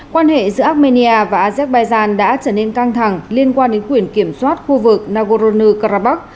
quan hệ giữa armenia và azerbaijan đã trở nên căng thẳng liên quan đến quyền kiểm soát khu vực nagorno karabakh